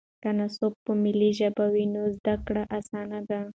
که نصاب په ملي ژبه وي نو زده کړه اسانه ده.